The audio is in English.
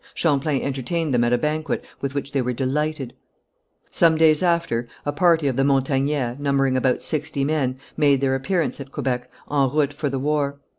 Champlain entertained them at a banquet, with which they were delighted. Some days after a party of the Montagnais, numbering about sixty men, made their appearance at Quebec, en route for the war.